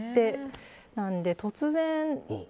なので突然。